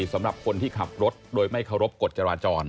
สำหรับคนที่ขับรถโดยไม่เคารพกฎจราจร